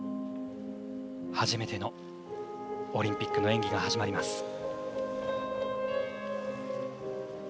初めてのオリンピックの演技が始まります。